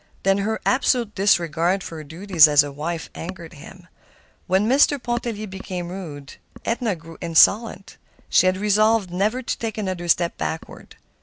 Then her absolute disregard for her duties as a wife angered him. When Mr. Pontellier became rude, Edna grew insolent. She had resolved never to take another step backward.